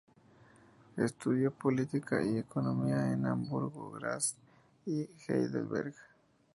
Estudió política y economía en Hamburgo, Graz, y Heidelberg.